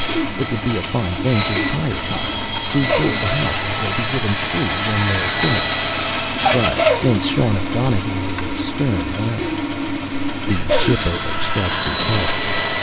It would be a fine thing to hire colonists to build the houses they'll be given free when they're finished. But since Sean O'Donohue is a stern man " The ship owner scratched his head.